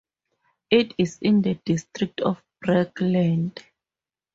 It is in the district of Breckland.